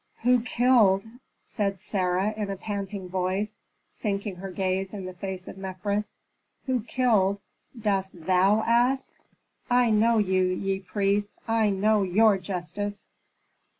"Who killed?" said Sarah, in a panting voice, sinking her gaze in the face of Mefres. "Who killed, dost thou ask? I know you, ye priests! I know your justice."